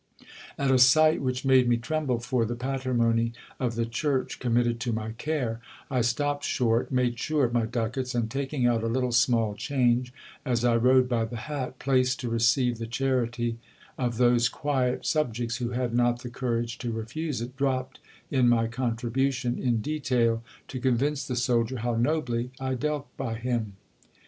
At a sight which made me tremble for the patrimony of the Church committed to my care, I stopped short, made sure of my ducats, and taking out a little small change, as I rode by the hat, placed to receive the charity of those quiet sub jects who had not the courage to refuse it, dropped in my contribution in detail, to convince the soldier how nobly I dealt by him.